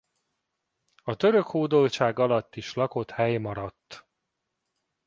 A török hódoltság alatt is lakott hely maradt.